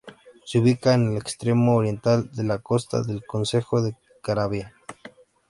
Se ubica en el extremo oriental de la costa del Concejo de Caravia.